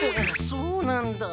そうなんだ。